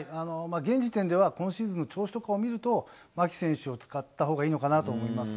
現時点では、今シーズンの調子とかを見ると、牧選手を使ったほうがいいのかなと思います。